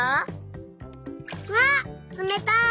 わっつめたい！